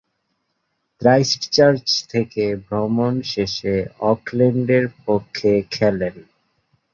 Christchurch থেকে ভ্রমণ শেষে অকল্যান্ডের পক্ষে খেলেন।